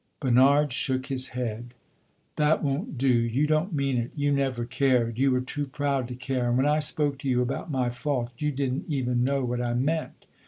Bernard shook his head. "That won't do you don't mean it. You never cared you were too proud to care; and when I spoke to you about my fault, you did n't even know what I meant.